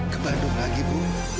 ke bandung lagi bu